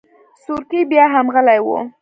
سورکی بياهم غلی و.